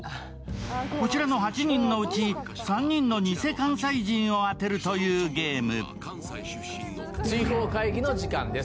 こちらの８人のうち３人のニセ関西人を当てるというゲーム。